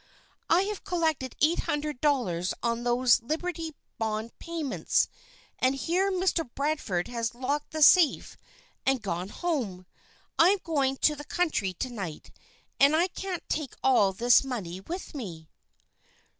"I have collected eight hundred dollars on those Liberty Bond payments, and here Mr. Bradford has locked the safe and gone home. I'm going to the country to night and I can't take all this money with me."